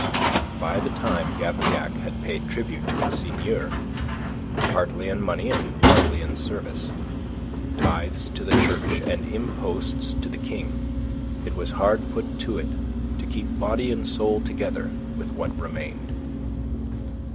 By the time Gavrillac had paid tribute to its seigneur partly in money and partly in service tithes to the Church, and imposts to the King, it was hard put to it to keep body and soul together with what remained.